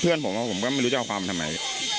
เพื่อนผมก็ไม่รู้จักว่ามันทำไม